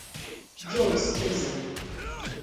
James Eze